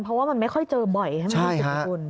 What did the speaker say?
เพราะว่ามันไม่ค่อยเจอบ่อยไม่มีจุดคุณ